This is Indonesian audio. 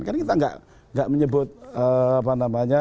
kan kita nggak menyebut apa namanya